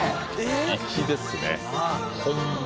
粋ですねホンマ